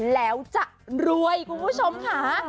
แล้วจะรวยคุณผู้ชมค่ะ